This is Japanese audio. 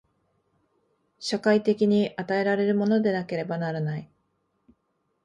社会的に与えられるものでなければならない。